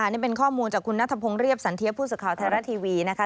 นี่เป็นข้อมูลจากคุณนัทพงศ์เรียบสันเทียผู้สื่อข่าวไทยรัฐทีวีนะคะ